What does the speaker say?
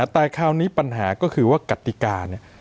แต่คราวนี้ปัญหาก็คือว่ากติกาเนี่ย